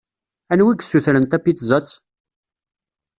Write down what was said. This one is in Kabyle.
Anwa i yessutren tapizzat?